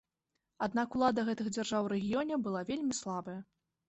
Аднак улада гэтых дзяржаў у рэгіёне была вельмі слабая.